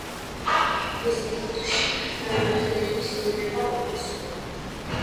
ინსტიტუტში განათლების მიღება უფასოა.